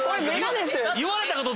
言われたこと。